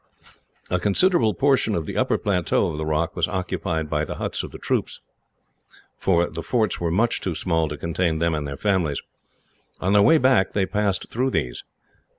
A considerable portion of the upper plateau of the rock was occupied by the huts of the troops, for the forts were much too small to contain them and their families. On their way back, they passed through these.